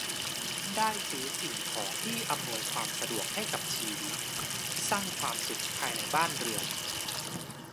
ได้ซื้อสิ่งของที่อำนวยความสะดวกให้กับชีวิต สร้างความสุขภายในบ้านเรือน